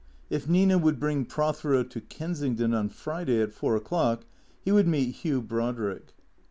If Xina would bring Prothero to Kensington on Friday at four o'clock he would meet Hugh Brodrick.